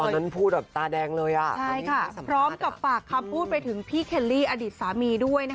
นั้นพูดแบบตาแดงเลยอ่ะใช่ค่ะพร้อมกับฝากคำพูดไปถึงพี่เคลลี่อดีตสามีด้วยนะคะ